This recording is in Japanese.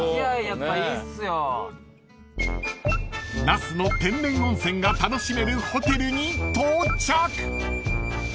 ［那須の天然温泉が楽しめるホテルに到着］